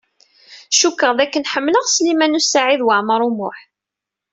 Cukkeɣ d akken ḥemmleɣ Sliman U Saɛid Waɛmaṛ U Muḥ.